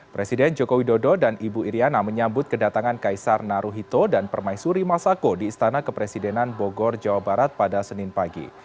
presiden joko widodo dan ibu iryana menyambut kedatangan kaisar naruhito dan permaisuri masako di istana kepresidenan bogor jawa barat pada senin pagi